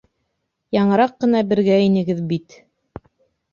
Яңыраҡ ҡына бергә инегеҙ бит.